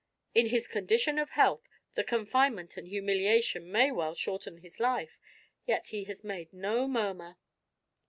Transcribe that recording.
In his condition of health, the confinement and humiliation may well shorten his life, yet he has made no murmur."